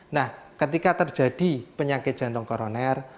nah ketika terjadi penyakit jantung koroner